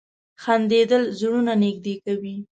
• خندېدل زړونه نږدې کوي.